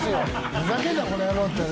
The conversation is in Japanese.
ふざけんなこの野郎って。